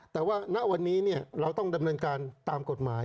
แต่ว่าณวันนี้เราต้องดำเนินการตามกฎหมาย